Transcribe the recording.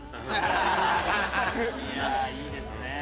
いやいいですね。